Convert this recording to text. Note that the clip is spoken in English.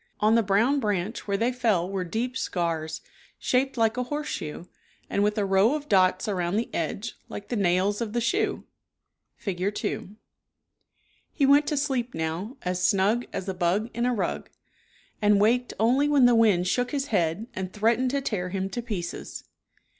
On the brown branch where they fell were deep scars, shaped like a horse shoe and with a row of dots around the edge like the nails of the shoe (Fig. 2). He went to sleep now " as snug as a bug in a rug," and waked only when the wind shook his head and threatened to tear him to pieces.